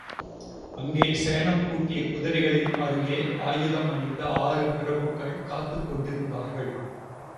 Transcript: அங்கே சேணம் பூட்டிய குதிரைகளின் அருகிலே ஆயுதமணிந்த ஆறு பிரபுக்கள் காத்துக் கொண்டிருந்தார்கள்.